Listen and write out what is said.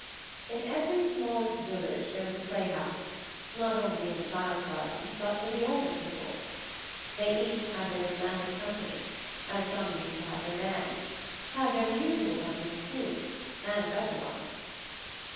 In every smallest village there was a playhouse, not only in the child gardens, but for the older people. They each had their dramatic company, as some used to have their bands; had their musical com panies too, and better ones.